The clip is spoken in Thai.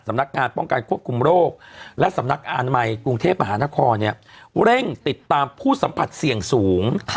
นักงานป้องกันควบคุมโรคและสำนักอนามัยกรุงเทพมหานครเร่งติดตามผู้สัมผัสเสี่ยงสูง